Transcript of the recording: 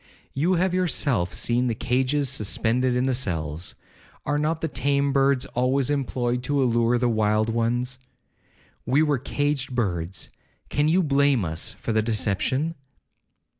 You have yourself seen the cages suspended in the cells—are not the tame birds always employed to allure the wild ones? We were caged birds, can you blame us for the deception?'